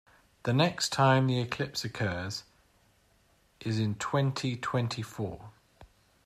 The next time the eclipse occurs is in twenty-twenty-four.